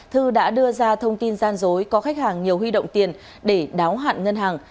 thư đã đưa ra thông tin gian dối có khách hàng nhiều huy động tiền để đáo hạn ngân hàng